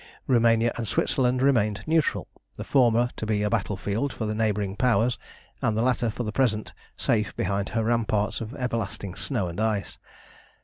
Roumania and Switzerland remained neutral, the former to be a battlefield for the neighbouring Powers, and the latter for the present safe behind her ramparts of everlasting snow and ice.